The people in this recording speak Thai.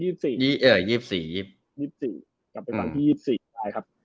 ๒๔กลับไปฟังที่๒๔ค่ะครับ